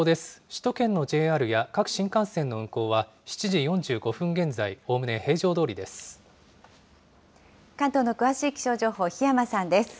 首都圏のＪＲや各新幹線の運行は７時４５分現在、おおむね平常ど関東の詳しい気象情報、檜山